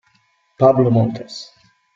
Pablo Montes